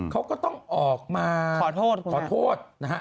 เขาก็ต้องออกมาขอโทษนะคะ